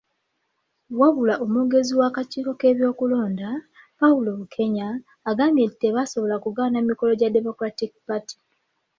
Wabula omwogezi w'akakiiko k'ebyokulonda, Paul Bukenya, agambye nti tebasobola kugaana mikono gya Democratic Party.